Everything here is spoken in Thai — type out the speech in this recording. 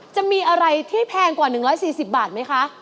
จะมีอะไรที่แพงกว่า๑๔๐บาทไหมคะ